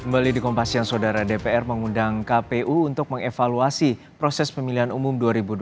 kembali di kompassian saudara dpr mengundang kpu untuk mengevaluasi proses pemilihan umum dua ribu dua puluh